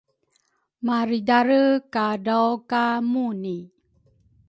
maridare kadraw ka Muni.